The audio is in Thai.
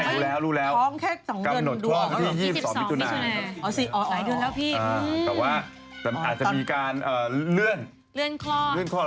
อ๋อรู้แล้วเป็นลูกสาวเหรอท้องแค่๒เดือนดัว